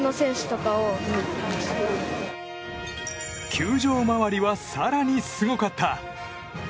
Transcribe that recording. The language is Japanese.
球場周りは更にすごかった。